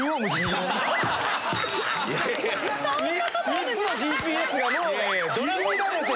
３つのＧＰＳがもう入り乱れて。